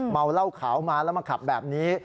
เหล้าขาวมาแล้วมาขับแบบนี้